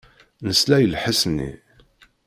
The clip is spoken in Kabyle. Nesla i lḥess-nni.